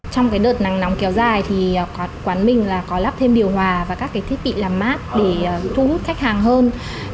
trong đợt nắng nóng kéo dài thì quán mình có lắp thêm điều hòa và các thiết bị làm mát để thu hút khách hàng hơn